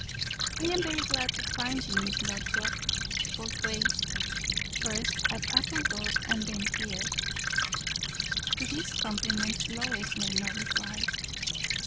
"I am very glad to find you, Miss Lothrop, both ways, first at Appledore, and then here." To this compliment Lois made no reply.